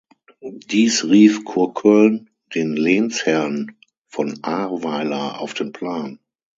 Dies rief Kurköln, den Lehnsherrn von Ahrweiler auf den Plan.